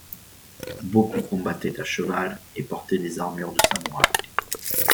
Beaucoup combattaient à cheval et portaient des armures de samouraï.